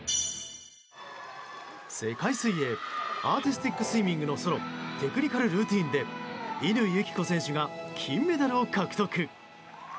世界水泳アーティスティックスイミングのソロテクニカルルーティンで乾友紀子選手が金メダルを獲得。